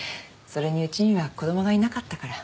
それにうちには子供がいなかったから。